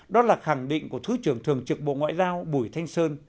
đó là khẳng định của thứ trưởng thường trực bộ ngoại giao bùi thanh sơn